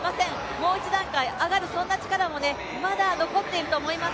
もう一段階上がる、そんな力もまだ残っていると思います。